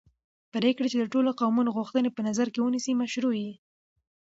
پرېکړې چې د ټولو قومونو غوښتنې په نظر کې ونیسي مشروعې دي